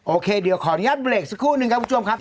โอเคเดี๋ยวขออนุญาตเบรกสักครู่นึงครับคุณผู้ชมครับ